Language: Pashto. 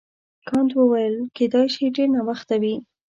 کانت وویل کیدای شي ډېر ناوخته وي.